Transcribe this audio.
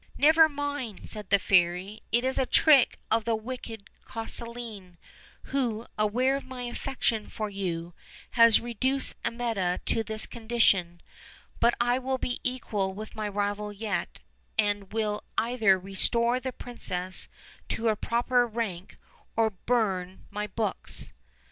"Never mind," said the fairy, "it is a trick of the wicked Caucaline, who, aware of my affection for you, has reduced Amietta to this condition; but I will be equal with my rival yet, and will either restore the princess to her proper rank, or burn my books."